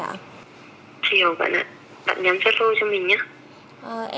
chỉ hầu vẫn ạ bạn nhắn giao lô cho mình nhé